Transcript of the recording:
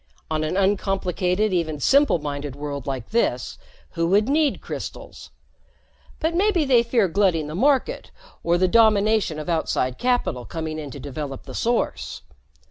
"On an uncomplicated, even simple minded world like this, who would need crystals? But maybe they fear glutting the market or the domination of outside capital coming in to develop the source.